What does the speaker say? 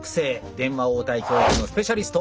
電話応対教育のスペシャリスト